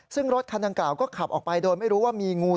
ซึ่งรถคันดังกล่าวก็ขับออกไปโดยไม่รู้ว่ามีงู